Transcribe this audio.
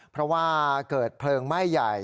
เพราะว่าเกิดเพลิงไหม้ใหญ่